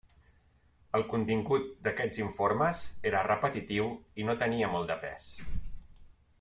El contingut d'aquests informes era repetitiu i no tenia molt de pes.